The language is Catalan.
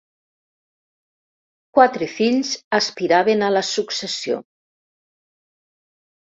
Quatre fills aspiraven a la successió.